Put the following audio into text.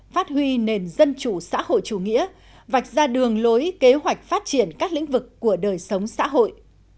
phát huy nền dân chủ xã hội chủ nghĩa vạch ra đường lối kế hoạch phát triển các lĩnh vực của đời sống xã hội